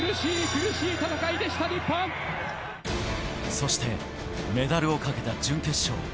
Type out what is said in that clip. そしてメダルを懸けた準決勝。